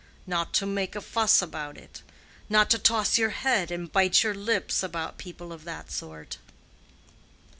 Not to make a fuss about it. Not to toss your head and bite your lips about people of that sort."